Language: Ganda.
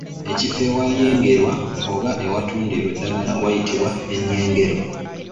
Ekifo awayengerwa oba awatundirwa eddagala wayitibwa ennyengero.